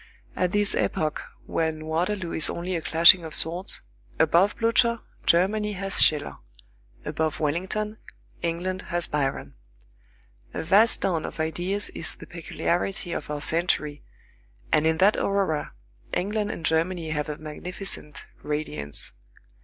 At this epoch when Waterloo is only a clashing of swords, above Blücher, Germany has Schiller; above Wellington, England has Byron. A vast dawn of ideas is the peculiarity of our century, and in that aurora England and Germany have a magnificent radiance.